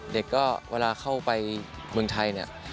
เด็กก็เวลาเข้าไปเมืองไทย